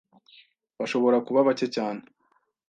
Bashobora kuba bake cyane